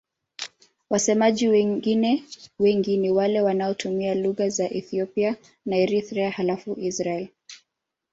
Wasemaji wengine wengi ni wale wanaotumia lugha za Ethiopia na Eritrea halafu Israel.